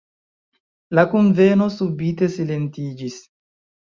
La kunveno subite silentiĝis.